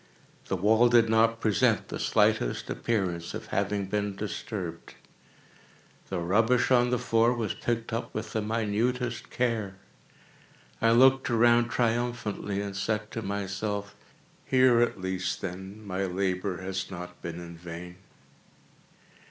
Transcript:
The wall did not present the slightest appearance of having been disturbed. The rubbish on the floor was picked up with the minutest care. I looked around triumphantly, and said to myself: "Here at least, then, my labor has not been in vain."